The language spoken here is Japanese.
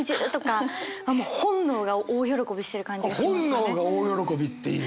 「本能が大喜び」っていいね！